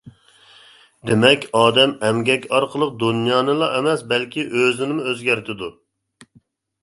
دېمەك، ئادەم ئەمگەك ئارقىلىق دۇنيانىلا ئەمەس، بەلكى ئۆزىنىمۇ ئۆزگەرتىدۇ.